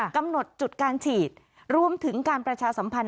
กำหนดจุดการฉีดรวมถึงการประชาสัมพันธ